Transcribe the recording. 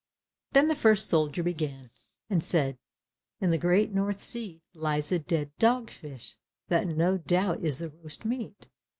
Then the first soldier began and said, "In the great North Sea lies a dead dog fish, that no doubt is the roast meat."